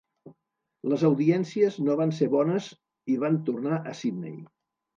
Les audiències no van ser bones i van tornar a Sydney.